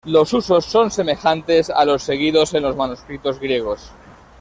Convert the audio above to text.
Los usos son semejantes a los seguidos en los manuscritos griegos.